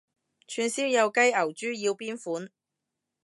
串燒有雞牛豬要邊款？